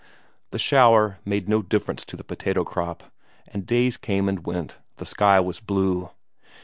The shower made no difference to the potato crop, and days came and went; the sky was blue.